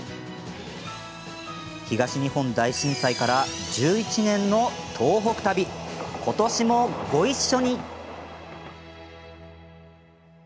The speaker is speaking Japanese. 東日本大震災から１１年の東北旅ことしも、ごいっしょに。